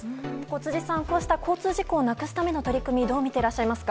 辻さん、こうした交通事故をなくすための取り組みどう見ていらっしゃいますか。